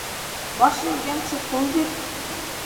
Баш эйгәнсе, ҡул бир.